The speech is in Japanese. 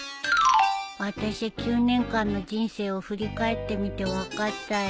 あたしゃ９年間の人生を振り返ってみて分かったよ。